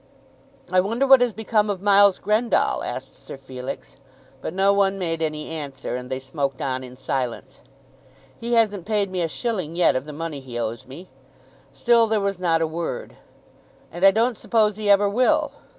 "I wonder what has become of Miles Grendall," asked Sir Felix. But no one made any answer, and they smoked on in silence. "He hasn't paid me a shilling yet of the money he owes me." Still there was not a word. "And I don't suppose he ever will."